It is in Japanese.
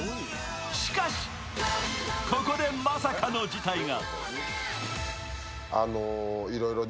しかし、ここでまさかの事態が。